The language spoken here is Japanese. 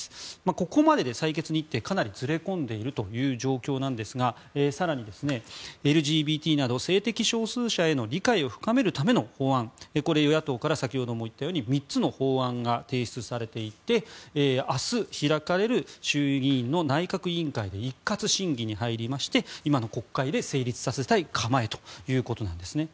ここまでで採決日程かなりずれ込んでいる状況なんですが更にＬＧＢＴなど性的少数者への理解を深めるための法案これ、与野党から先ほども言ったように３つの法案が提出されていて明日、開かれる衆議院の内閣委員会で一括審議に入りまして今の国会で成立させたい構えということです。